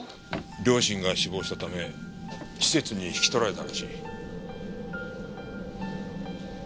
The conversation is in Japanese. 両親が死亡したため施設に引き取られたらしい。